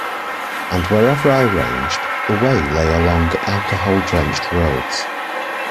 And wherever I ranged, the way lay along alcohol-drenched roads.